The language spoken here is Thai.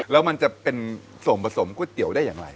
แล้วมันจะเป็นส่วนผสมก๋วยเตี๋ยวได้อย่างไร